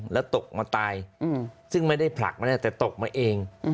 แล้วตกมาตายซึ่งไม่ได้ผลักไม่ได้แต่ตกมาเอง